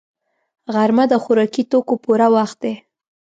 غرمه د خوراکي توکو پوره وخت دی